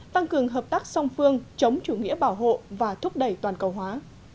tăng cường hợp tác song phương chống chủ nghĩa bảo hộ và thúc đẩy toàn cầu hóa